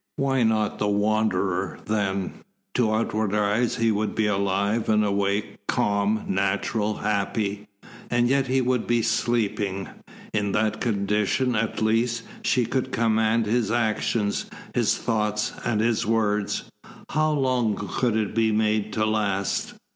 Why not the Wanderer, then? To outward eyes he would be alive and awake, calm, natural, happy. And yet he would be sleeping. In that condition, at least, she could command his actions, his thoughts, and his words. How long could it be made to last?